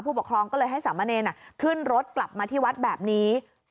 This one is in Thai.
ปกครองก็เลยให้สามเณรขึ้นรถกลับมาที่วัดแบบนี้